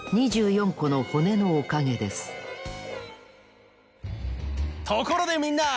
この骨のおかげですところでみんな！